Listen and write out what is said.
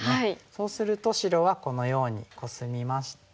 そうすると白はこのようにコスみまして。